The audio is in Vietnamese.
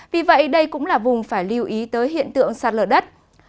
vì vậy đây cũng là vùng phải lưu ý tới hiện tượng sạt lở đất